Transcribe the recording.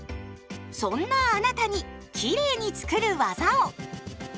そんなあなたにきれいにつくる技を！